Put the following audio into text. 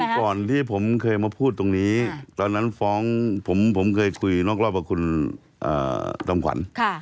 ก่อนที่ผมเคยมาพูดตรงนี้ตอนนั้นฟ้องผมเคยคุยนอกรอบกับคุณจอมขวัญ